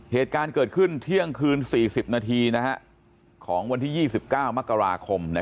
เหตุการณ์เกิดขึ้นเที่ยงคืน๔๐นาทีของวันที่๒๙มกราคม